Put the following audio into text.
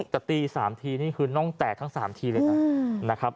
แต่ตี๓ทีนี่คือน่องแตกทั้ง๓ทีเลยนะครับ